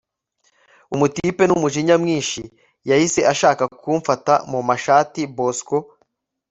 umutipe numujinya mwinshi yahise ashaka kumfata mumashati bosco